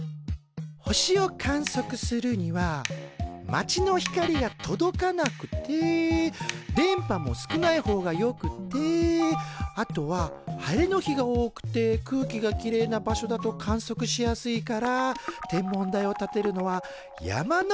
星を観測するには街の光が届かなくて電波も少ない方がよくてあとは晴れの日が多くて空気がきれいな場所だと観測しやすいから天文台を建てるのは山の上が一番なんだよ。